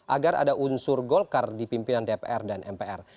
agar ada unsur golkar di pimpinan dpr dan mpr